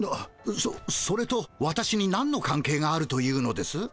そそれと私になんのかん係があるというのです？